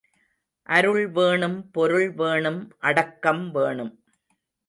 அருள் வேணும் பொருள் வேணும் அடக்கம் வேணும்.